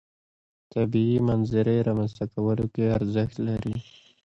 طبیعي منظرې رامنځته کولو کې ارزښت لري.